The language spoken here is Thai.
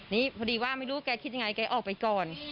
นี่พอดีว่าไม่รู้แกคิดยังไงแกออกไปก่อน